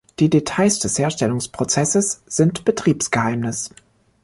Die Details des Herstellungsprozesses sind Betriebsgeheimnis.